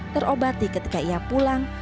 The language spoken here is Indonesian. terobati ketika ia pulang